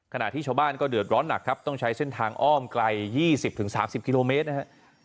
ที่ชาวบ้านก็เดือดร้อนหนักครับต้องใช้เส้นทางอ้อมไกล๒๐๓๐กิโลเมตรนะครับ